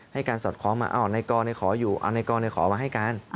ให้การสอดคล้องมาเอาหน้ากรในขออยู่เอาหน้ากรในขอมาให้กัน